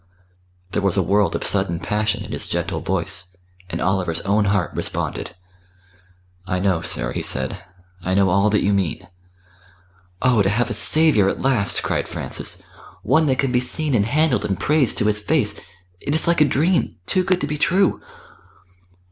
There was a world of sudden passion in his gentle voice, and Oliver's own heart responded. "I know, sir," he said; "I know all that you mean." "Oh! to have a Saviour at last!" cried Francis. "One that can be seen and handled and praised to His Face! It is like a dream too good to be true!"